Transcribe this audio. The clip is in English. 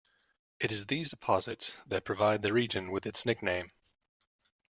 It is these deposits that provide the region with its nickname.